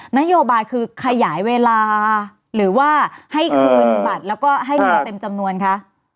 นโยบายคือขยายเวลาหรือว่าให้คืนบัตรแล้วก็ให้เงินเต็มจำนวนคะ